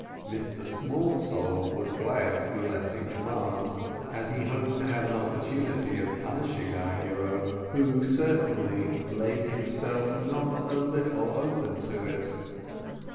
Mr Smallsole was glad to be left in command, as he hoped to have an opportunity of punishing our hero, who certainly laid himself not a little open to it.